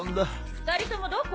２人ともどこ？